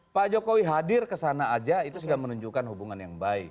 pak jokowi hadir ke sana aja itu sudah menunjukkan hubungan yang baik